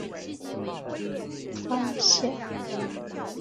他突然发现一旁的我